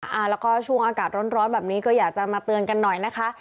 แล้วก็ช่วงอากาศร้อนแบบนี้ก็อยากจะมาเตือนกันหน่อยนะคะ